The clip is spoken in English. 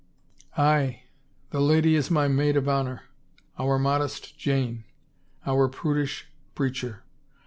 " Aye. The lady is my maid of honor. Our modest Jane; our prudish preacher.